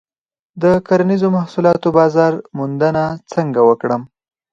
د کرنیزو محصولاتو بازار موندنه څنګه وکړم؟